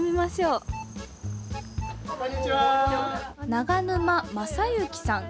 長沼雅之さん。